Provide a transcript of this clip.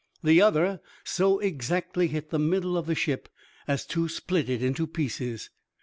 The other so exactly hit the middle of the ship as to split it into pieces.